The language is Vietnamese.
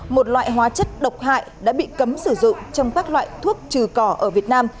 một loại hóa chất độc hại đã bị cấm sử dụng trong các loại thuốc trừ cỏ ở việt nam